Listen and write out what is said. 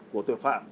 của tội phạm